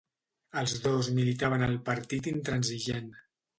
Els dos militaven al Partit Intransigent.